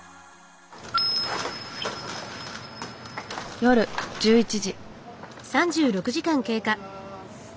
夜１１時。